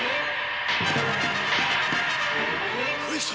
上様。